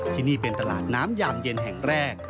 ที่นี่เป็นตลาดน้ำยามเย็นแห่งแรก